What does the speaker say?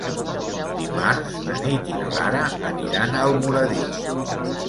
Dimarts na Nit i na Lara aniran a Almoradí.